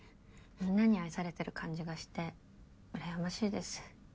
みんなに愛されてる感じがして羨ましいです。